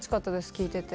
聴いてて。